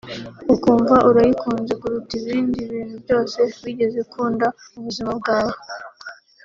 ukumva urayikunze kuruta ibindi bintu byose wigeze ukunda mu buzima bwawe